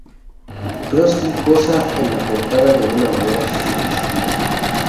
Krusty posa en la portada de una manera sugestiva.